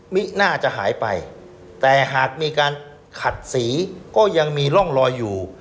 น่าจะหายไปแต่หากมีการขัดสีก็ยังมีร่องรอยอยู่